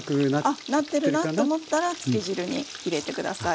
あっなってるなと思ったらつけ汁に入れて下さい。